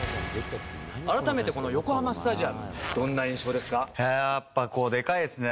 改めてこの横浜スタジアム、やっぱでかいですね。